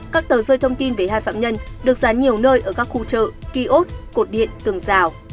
các tờ rơi thông tin về hai phạm nhân được dán nhiều nơi ở các khu chợ kiốt cột điện tường rào